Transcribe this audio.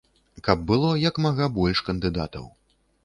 Каб было як мага больш кандыдатаў.